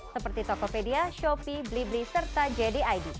seperti tokopedia shopee blibli serta jd id